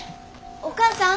お母さん。